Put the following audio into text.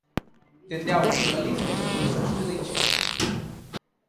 Dende Augas de Galicia, pois axuda inxente.